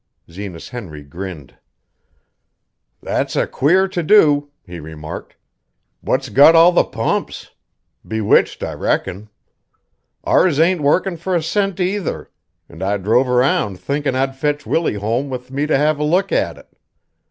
Zenas Henry grinned. "That's a queer to do," he remarked. "What's got all the pumps? Bewitched, I reckon. Ours ain't workin' fur a cent either, an' I drove round thinkin' I'd fetch Willie home with me to have a look at it.